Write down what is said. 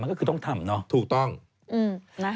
มันก็คือต้องทำเนาะ